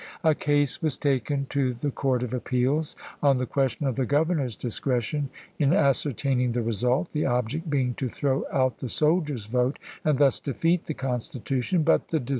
A case was taken to the Court of Appeals on the question of the Governor's discretion in ascertaining the result, the object being to throw out the soldiers' vote and thus defeat the constitution ; but the de 1864.